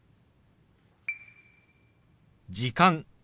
「時間」。